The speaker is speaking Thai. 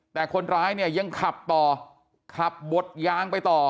แต่คนร้ายเนี่ยยังขับต่อขับบดยางไปต่อ